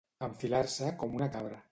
Enfilar-se com una cabra.